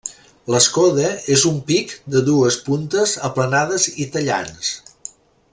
L’escoda és un pic de dues puntes aplanades i tallants.